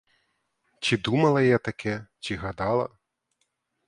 Чи думала я таке, чи гадала?